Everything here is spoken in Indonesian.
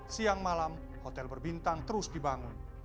siang malam hotel berbintang terus dibangun